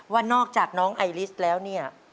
ว่านอกจากน้องไอลิสแล้วเนี่ย